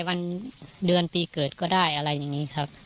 วันเดือนปีเกิดก็ได้อะไรอย่างนี้ครับ